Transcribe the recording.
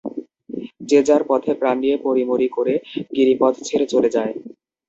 যে যার পথে প্রাণ নিয়ে পড়ি মরি করে গিরিপথ ছেড়ে চলে যায়।